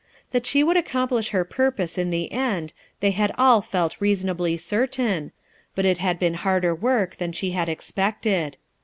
That she would accomplish her purpose in the end they had all felt reasonably certain, but it had been harder work than she had ex pected.